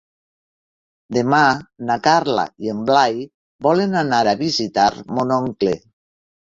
Demà na Carla i en Blai volen anar a visitar mon oncle.